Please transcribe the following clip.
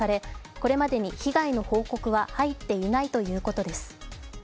これまでに被害の報告は入っていないということです。